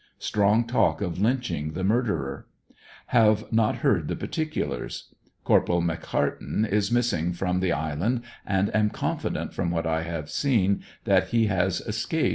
Strong talk of lynching the murderer. Have ANDERSONVILLE DIARY. 31 not heard the particulars, Corp. McCartin is missing from the isl and and am confident from what I have seen that he has escape